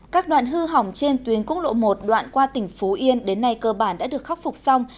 các đoạn hư hỏng trên tuyến quốc lộ một đoạn qua tỉnh phú yên đến nay cơ bản đã được khắc phục xong